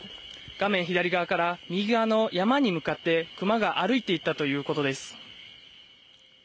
画面左側から右側の山に向かって熊が歩いていったということです。